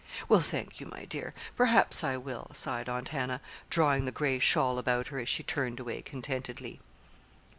"Well, thank you, my dear; perhaps I will," sighed Aunt Hannah, drawing the gray shawl about her as she turned away contentedly.